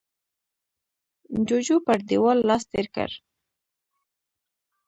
جوجو پر دېوال لاس تېر کړ.